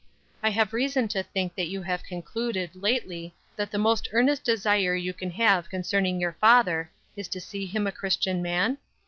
I have reason to think that you have concluded, lately, that the most earnest desire you can have concerning your father, is to see him a Christian man?